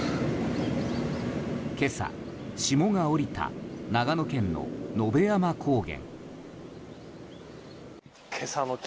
今朝、霜が降りた長野県の野辺山高原。